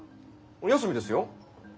休みですよ。